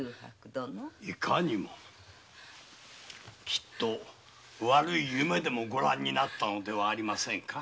きっと悪い夢でもご覧になったのではありませんか。